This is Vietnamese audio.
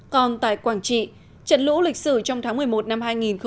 còn tại quảng trị trận lũ lịch sử trong tháng một mươi một năm hai nghìn một mươi tám